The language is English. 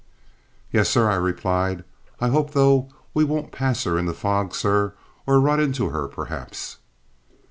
"Yes, sir," I replied. "I hope, though, we won't pass her in the fog, sir, or run into her, perhaps."